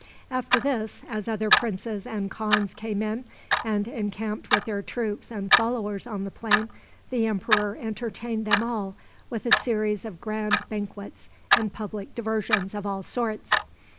After this, as other princes and khans came in, and encamped with their troops and followers on the plain, the emperor entertained them all with a series of grand banquets and public diversions of all sorts.